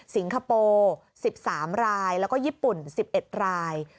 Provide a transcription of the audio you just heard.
คโปร์๑๓รายแล้วก็ญี่ปุ่น๑๑ราย